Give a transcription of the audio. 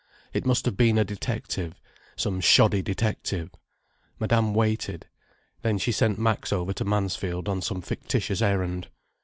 It must have been a detective—some shoddy detective. Madame waited. Then she sent Max over to Mansfield, on some fictitious errand.